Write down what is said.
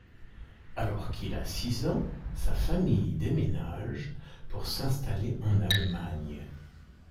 Alors qu'il a six ans sa famille déménage pour s'installer en Allemagne.